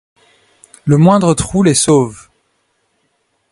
Le moindre trou les sauve.